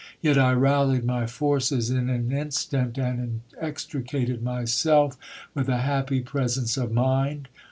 Yet I rallied my forces in an instant, and extricated myself with a happy presence of mind.